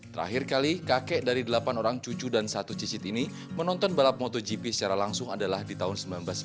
terakhir kali kakek dari delapan orang cucu dan satu cicit ini menonton balap motogp secara langsung adalah di tahun seribu sembilan ratus sembilan puluh